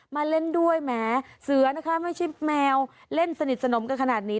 มาเล่นด้วยแหมเสือนะคะไม่ใช่แมวเล่นสนิทสนมกันขนาดนี้